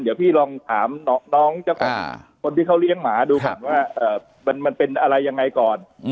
เดี๋ยวพี่ลองถามน้องเจ้าของคนที่เขาเลี้ยงหมาดูก่อนว่ามันเป็นอะไรยังไงก่อน